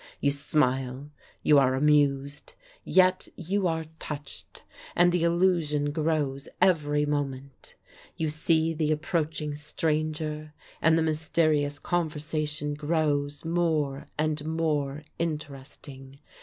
You smile; you are amused; yet you are touched, and the illusion grows every moment. You see the approaching stranger, and the mysterious conversation grows more and more interesting.